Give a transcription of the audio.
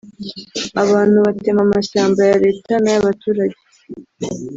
abantu batema amashyamba ya Leta n’aya baturage